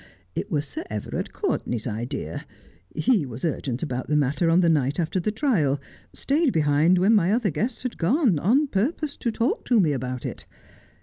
It was Sir Everard Courtenay's idea. He was urgent about the matter on the night after the trial — stayed behind when my other guests had gone, on purpose to talk to me about it.